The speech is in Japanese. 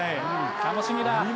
楽しみだ。